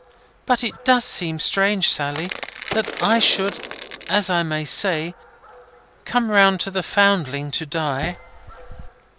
But it does seem strange, Sally, that I should, as I may say, come round to the Foundling to die."